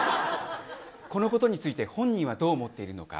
このことについて本人は、どう思っているのか